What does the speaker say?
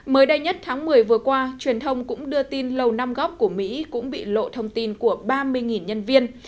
mới đây nhất tháng một mươi vừa qua truyền thông cũng đưa tin lầu năm góc của mỹ cũng bị lộ thông tin của ba mươi nhân viên